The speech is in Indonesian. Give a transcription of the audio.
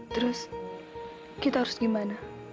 terus kita harus gimana